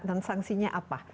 dan sanksinya apa